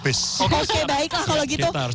oke baiklah kalau gitu